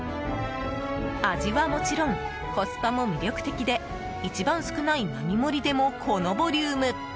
味はもちろん、コスパも魅力的で一番少ない並盛でもこのボリューム。